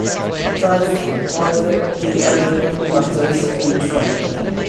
Triumph calls it "the ultimate muscle streetfighter".